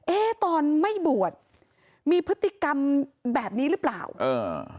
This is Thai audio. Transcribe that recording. เอ๊ะตอนไม่บวชมีพฤติกรรมแบบนี้หรือเปล่าเออ